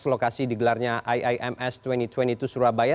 lokasi digelarnya iims dua ribu dua puluh dua surabaya